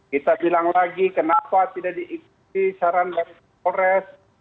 kita bilang lagi kenapa tidak diikuti saran dari polres